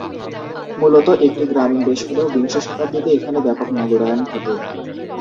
মূলত একটি গ্রামীণ দেশ হলেও বিংশ শতাব্দীতে এখানে ব্যাপক নগরায়ন ঘটে।